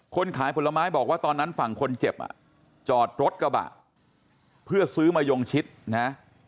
ขายผลไม้บอกว่าตอนนั้นฝั่งคนเจ็บอ่ะจอดรถกระบะเพื่อซื้อมะยงชิดนะ